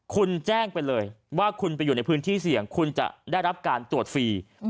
คุณแจ้งไปเลยว่าคุณไปอยู่ในพื้นที่เสี่ยงคุณจะได้รับการตรวจฟรี